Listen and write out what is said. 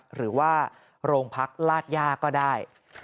หรือว่าโรงพักลาดย่าก็ได้